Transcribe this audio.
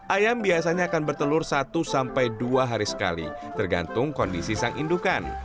ayam biasanya akan bertelur satu sampai dua hari sekali tergantung kondisi sang indukan